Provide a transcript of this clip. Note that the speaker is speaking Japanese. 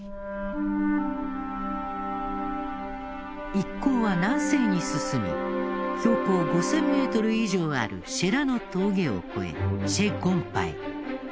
一行は南西に進み標高５０００メートル以上あるシェ・ラの峠を越えシェ・ゴンパへ。